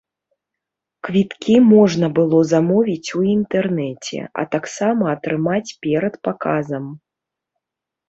Квіткі можна было замовіць у інтэрнэце, а таксама атрымаць перад паказам.